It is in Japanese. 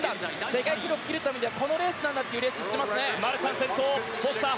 世界記録切るためにはこのレースなんだというレースをしています。